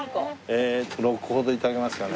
ええと６個ほど頂けますかね。